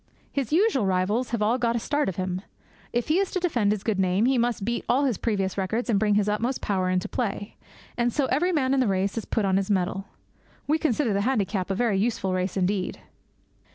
His usual rivals have all got a start of him; if he is to defend his good name, he must beat all his previous records and bring his utmost power into play. And so every man in the race is put on his mettle. We consider the handicap a very useful race indeed!'